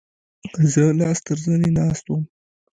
زه لاس تر زنې ناست وم.